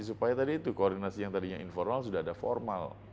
supaya tadi itu koordinasi yang tadinya informal sudah ada formal